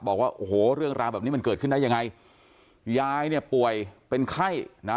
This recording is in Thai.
บอกว่าโอ้โหเรื่องราวแบบนี้มันเกิดขึ้นได้ยังไงยายเนี่ยป่วยเป็นไข้นะ